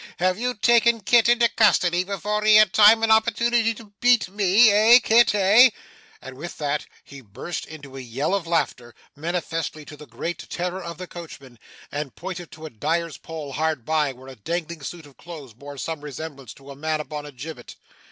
Have you taken Kit into custody before he had time and opportunity to beat me! Eh, Kit, eh?' And with that, he burst into a yell of laughter, manifestly to the great terror of the coachman, and pointed to a dyer's pole hard by, where a dangling suit of clothes bore some resemblance to a man upon a gibbet.